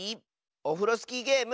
オフロスキーゲーム